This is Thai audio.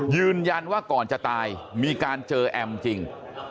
ยืนยันว่าก่อนจะตายมีการเจอแอมจริง